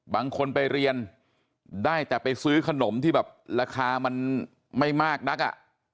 บางคนไปเรียนได้แต่ไปซื้อขนมที่แบบราคามันไม่มากนักอ่ะ